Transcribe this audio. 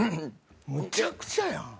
むちゃくちゃやん。